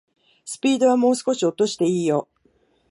スピードはもう少し落としていいよ